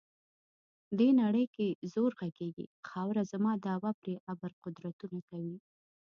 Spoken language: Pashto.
دې نړۍ کې زور غږیږي، خاوره زما دعوه پرې ابر قدرتونه کوي.